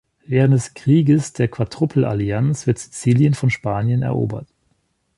Während des Krieges der Quadrupelallianz wird Sizilien von Spanien erobert.